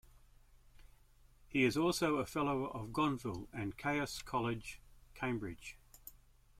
He is also a Fellow of Gonville and Caius College, Cambridge.